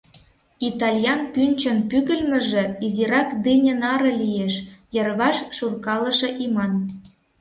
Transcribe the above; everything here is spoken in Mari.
Итальян пӱнчын пӱгыльмыжӧ изирак дыне наре лиеш, йырваш шуркалыше иман.